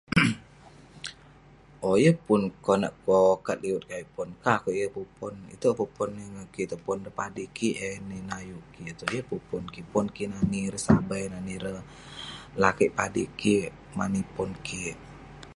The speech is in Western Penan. Owk..yeng pun konak kokat liwet kik ayuk pon, kan akouk yeng pun pon..itouk peh pon eh ngan itouk, pon ireh padik eh nin, ayuk kik itouk..yeng pun pon kik, pon kik nani ireh sabai, nani ireh lakeik padik kik..mani pon kik..